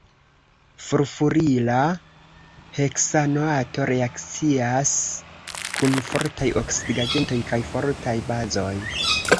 Furfurila heksanoato reakcias kun fortaj oksidigagentoj kaj fortaj bazoj.